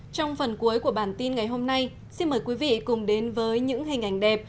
trong phần cuối của bản tin ngày hôm nay xin mời quý vị cùng đến với những hình ảnh đẹp